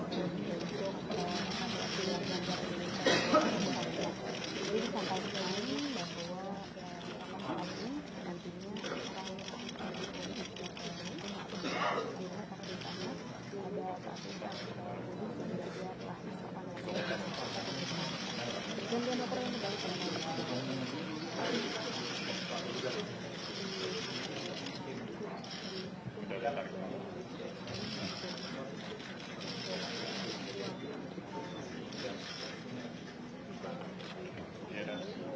terima kasih rafael